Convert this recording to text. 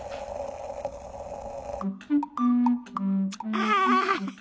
ああ。